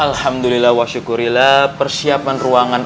alhamdulillah wa syukurillah persiapan ruangan